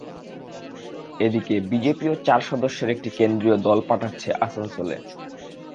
এদিকে বিজেপিও চার সদস্যের একটি কেন্দ্রীয় দল পাঠাচ্ছে আসানসোলে।